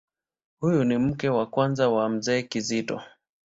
Huyu ni mke wa kwanza wa Mzee Kizito.